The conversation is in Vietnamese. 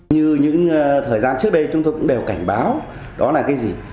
như những thời gian trước đây chúng tôi cũng đều cảnh báo đó là cái gì